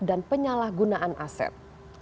dan penyalahgunaan aset